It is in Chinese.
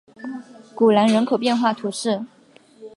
古兰人口变化图示